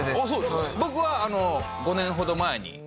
僕は５年ほど前に。